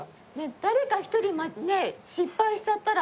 誰か１人失敗しちゃったら。